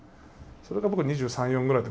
それが僕２３２４ぐらいで